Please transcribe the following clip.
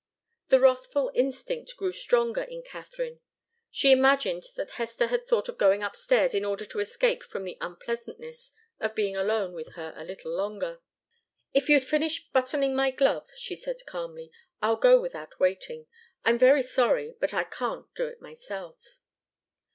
The wrathful instinct grew stronger in Katharine. She imagined that Hester had thought of going upstairs in order to escape from the unpleasantness of being alone with her a little longer. "If you'd finish buttoning my glove," she said, calmly, "I'll go without waiting. I'm very sorry, but I can't do it myself."